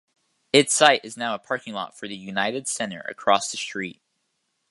Its site is now a parking lot for the United Center across the street.